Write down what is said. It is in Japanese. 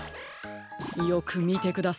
よくみてください